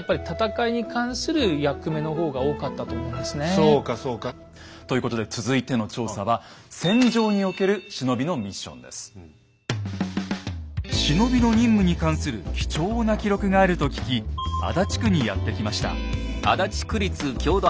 そうかそうか。ということで続いての調査は忍びの任務に関する貴重な記録があると聞き足立区にやって来ました。